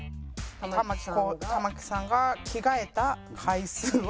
玉置さんが着替えた回数は？